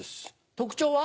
特徴は？